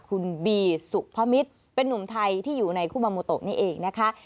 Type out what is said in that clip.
คุณบีสุพมิตรเป็นนุ่มไทยที่อยู่ในคุมาโมโตะนี่เองนะคะ